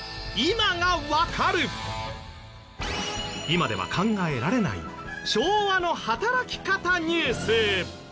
今では考えられない昭和の働き方ニュース。